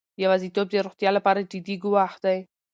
یوازیتوب د روغتیا لپاره جدي ګواښ دی.